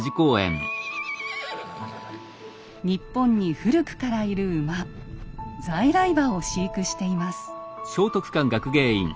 日本に古くからいる馬「在来馬」を飼育しています。